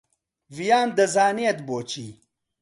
ڤیان دەزانێت بۆچی.